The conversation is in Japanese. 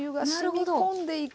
あなるほど！